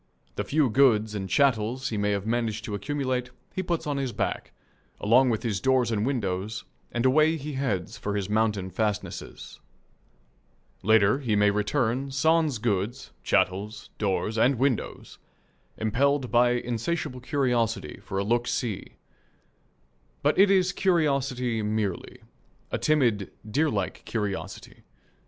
The few goods and chattels he may have managed to accumulate he puts on his back, along with his doors and windows, and away he heads for his mountain fastnesses. Later he may return, sans goods, chattels, doors, and windows, impelled by insatiable curiosity for a "look see." But it is curiosity merely a timid, deerlike curiosity.